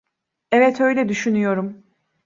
Evet, öyle düşünüyorum.